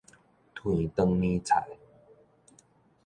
熥長年菜